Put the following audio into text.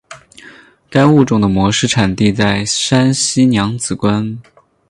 该物种的模式产地在山西娘子关。